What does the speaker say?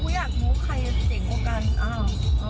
อยากหมดใครเกี่ยวกันอ้าว